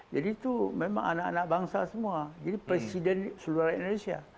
jadi itu memang anak anak bangsa semua jadi presiden seluruh rakyat indonesia